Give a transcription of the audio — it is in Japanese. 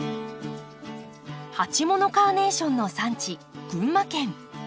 鉢物カーネーションの産地群馬県。